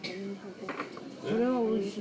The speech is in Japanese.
これはおいしい。